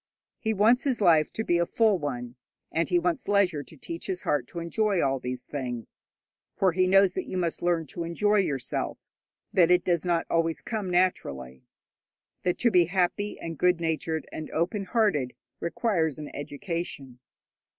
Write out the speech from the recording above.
He wants his life to be a full one, and he wants leisure to teach his heart to enjoy all these things; for he knows that you must learn to enjoy yourself, that it does not always come naturally, that to be happy and good natured and open hearted requires an education.